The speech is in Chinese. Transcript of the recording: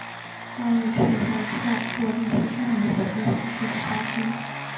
大卫事后透过律师声明否定此事的发生。